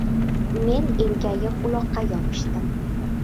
Men enkayib, uloqqa yopishdim.